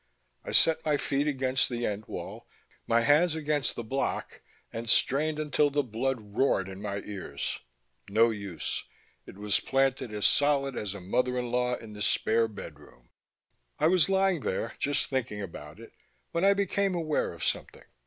I set my feet against the end wall, my hands against the block, and strained until the blood roared in my ears. No use. It was planted as solid as a mother in law in the spare bedroom. I was lying there, just thinking about it, when I became aware of something.